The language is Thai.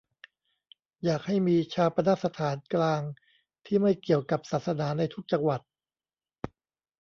อยากให้มีฌาปนสถานกลางที่ไม่เกี่ยวกับศาสนา ในทุกจังหวัด